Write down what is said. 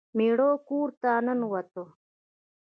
میړه کور ته ننوت.